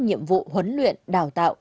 nhiệm vụ huấn luyện đào tạo